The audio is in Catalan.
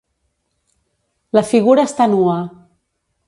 La figura està nua.